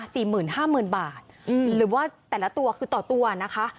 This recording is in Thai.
สี่หมื่นห้าหมื่นบาทอืมหรือว่าแต่ละตัวคือต่อตัวนะคะ